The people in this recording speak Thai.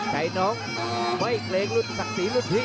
ใกล้น้องไม่เครงรุ่นศักดีรุ่นพี่